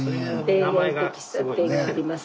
田園って喫茶店があります。